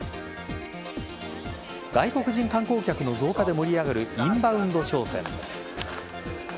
外国人観光客の増加で盛り上がるインバウンド商戦。